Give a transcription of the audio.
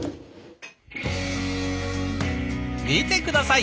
見て下さい！